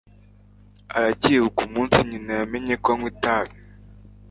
aracyibuka umunsi nyina yamenye ko anywa itabi